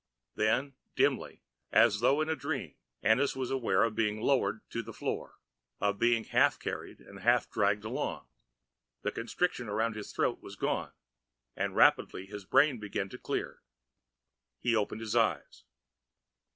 Then, dimly as though in a dream, Ennis was aware of being lowered to the floor, of being half carried and half dragged along. The constriction around his throat was gone and rapidly his brain began to clear. He opened his eyes.